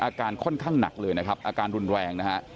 อาการค่อนข้างหนักเลยนะครับอาการรุนแรงนะฮะ